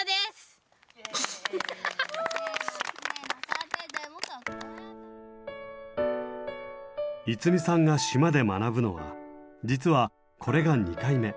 愛実さんが島で学ぶのは実はこれが２回目。